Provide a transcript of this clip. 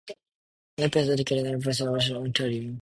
Lipsett was educated at the University of Western Ontario.